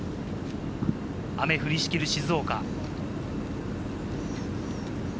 雨降りしきる静岡。